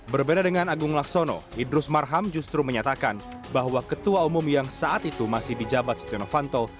berbeda dengan agung laksono idrus marham justru menyatakan bahwa ketua umum yang saat itu masih di jabat setia novanto